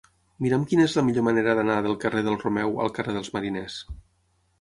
Mira'm quina és la millor manera d'anar del carrer del Romeu al carrer dels Mariners.